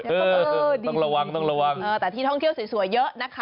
เออต้องระวังต้องระวังแต่ที่ท่องเที่ยวสวยเยอะนะคะ